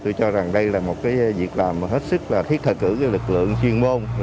tôi cho rằng đây là một việc làm hết sức thiết thợ cử lực lượng chuyên môn